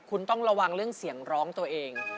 คุณต้องระวังเรื่องเสียงร้องตัวเอง